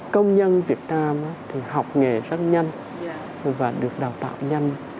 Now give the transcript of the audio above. công nhân việt nam thì học nghề rất nhanh và được đào tạo nhanh